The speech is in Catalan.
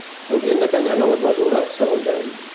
S'haurien de prendre noves mesures, segons ell?